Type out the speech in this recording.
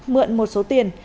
mượn một số tiền